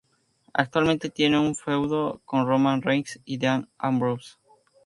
Actualmente tiene un feudo con Roman Reigns y Dean Ambrose.